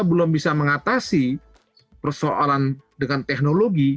belum bisa mengatasi persoalan dengan teknologi